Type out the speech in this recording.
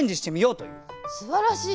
すばらしい！